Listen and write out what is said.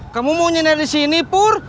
kamu mau nyiner disini pur